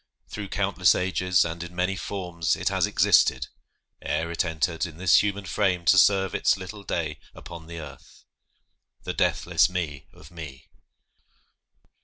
Through countless ages and in many forms It has existed, ere it entered in This human frame to serve its little day Upon the earth. The deathless Me of me.